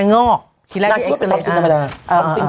ยิ่งปลอมเปจิล